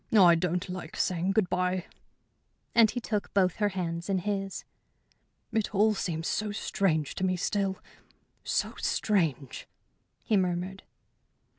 I don't like saying good bye." And he took both her hands in his. "It all seems so strange to me still so strange!" he murmured.